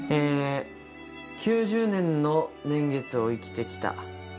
９０年の年月を生きて来た。